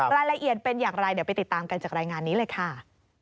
รายละเอียดเป็นอย่างไรเดี๋ยวไปติดตามกันจากรายงานนี้เลยค่ะ